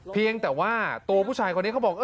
เพียงแต่ว่าตัวผู้ชายคนนี้เขาบอก